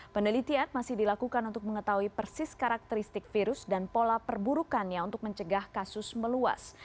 penelitian masih dilakukan untuk mengetahui persis karakteristik virus dan pola perburukannya untuk mencegah kasus meluas